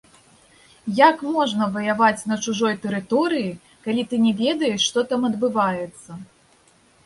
Як можна ваяваць на чужой тэрыторыі, калі ты не ведаеш, што там адбываецца?